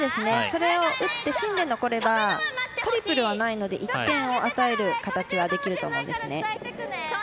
それを打って芯で残ればトリプルはないので１点を与える形はできると思うんですね。